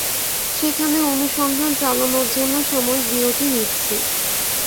সেখানে অনুসন্ধান চালানোর জন্য সাময়িক বিরতি নিচ্ছি।